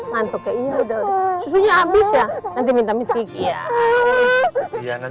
ngantuk kayak gini udah susunya habis ya nanti minta miss kiki ya